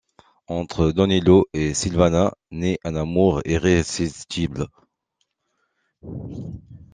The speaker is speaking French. Entre Donello et Silvana naît un amour irrésistible.